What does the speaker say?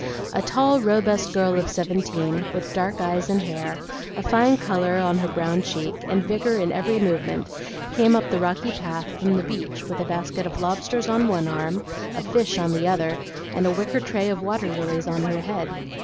A tall, robust girl of seventeen, with dark eyes and hair, a fine color on her brown cheek, and vigor in every movement, came up the rocky path from the beach with a basket of lobsters on one arm, of fish on the other, and a wicker tray of water lilies on her head.